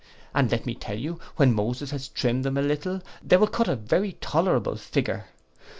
And let me tell you, when Moses has trimmed them a little, they will cut a very tolerable figure.